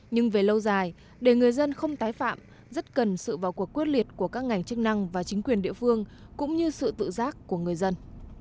nhưng về lâu dài để người dân không tái phạm rất cần sự vào cuộc quyết liệt của các ngành chức năng và chính quyền địa phương cũng như sự tự giác của người dân